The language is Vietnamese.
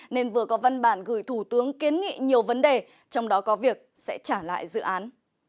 nên vừa có văn bản gửi thủ tướng kiến nghị nhiều vấn đề trong đó có việc sẽ trả lại dự án